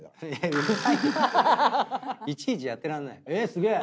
すげえ！